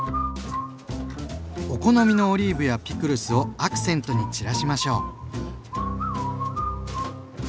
お好みのオリーブやピクルスをアクセントに散らしましょう。